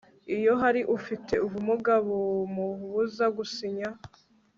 Iyo hari ufite ubumuga bumubuza gusinya